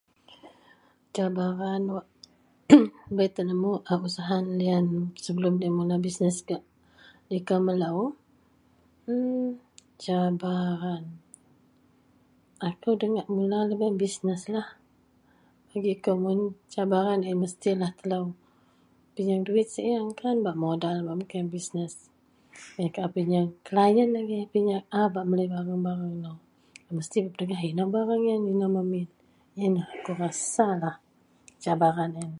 cabaran wak ..(ehuk).. bei tenemu a usahan lian sebelum deloien mula bisness gak likou melou emm cabaran, akou da ngak mula lubeng bisnesslah bagi kou mun cabaran ien mestilah telo peyieang duit siew, kan bak modal bak mekeang bisness baih kaau peyieang kalaien agei , piyeang a bak melei barang-barang nou, mestilah a pedegah inou barang ien, inou memin, ien akou rasalah cabaran ien